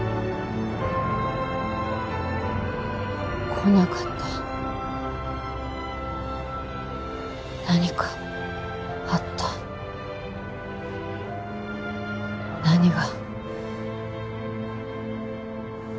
来なかった何かあった何が？